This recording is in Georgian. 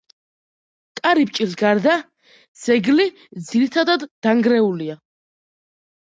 კარიბჭის გარდა ძეგლი ძირითადად დანგრეულია.